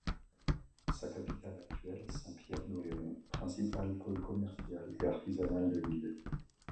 Sa capitale actuelle est Saint-Pierre-d'Oléron, principal pôle commercial et artisanal de l'île.